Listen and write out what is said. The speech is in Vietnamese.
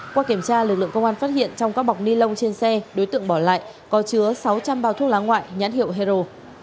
qua kiểm tra lực lượng công an phát hiện trong các bọc ni lông trên xe đối tượng bỏ lại có chứa sáu trăm linh bao thuốc lá ngoại nhãn hiệu hero